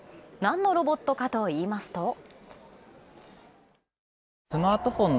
何のロボットかといいますと。